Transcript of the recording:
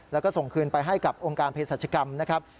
แล้วก็ส่งคืนไปให้กับองค์การเพศรัชกรรมนะครับ